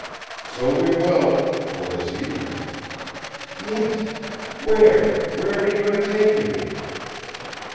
"So we will; for this evening." "Yes. Where where were you going to take me?"